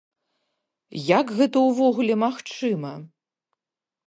Як гэта ўвогуле магчыма?